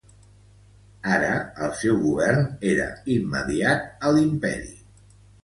Ara, el seu govern era immediat a l'Imperi.